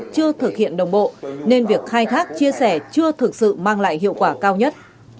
chưa thực hiện đồng bộ nên việc khai thác chia sẻ chưa thực sự mang lại hiệu quả cao nhất